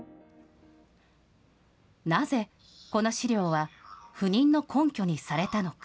なぜこの資料は不妊の根拠にされたのか。